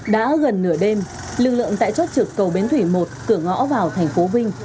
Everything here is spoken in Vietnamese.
đã gần nửa đêm lực lượng tại chốt trực cầu bến thủy một cửa ngõ vào thành phố vinh